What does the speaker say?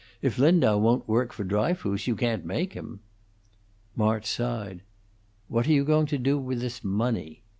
"If Lindau won't work for Dryfoos, you can't make him." March sighed. "What are you going to do with this money?"